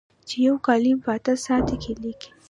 چې یو کالم په اته ساعته کې لیکي.